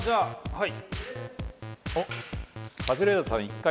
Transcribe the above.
はい。